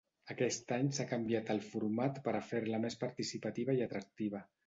Aquest any s'ha canviat el format per a fer-la més participativa i atractiva.